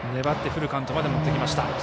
粘ってフルカウントまで持ってきました。